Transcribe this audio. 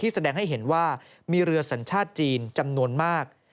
แสดงให้เห็นว่ามีเรือสัญชาติจีนจำนวนมาก